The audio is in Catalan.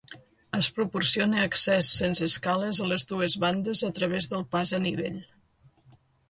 Es proporciona accés sense escales a les dues bandes a través del pas a nivell.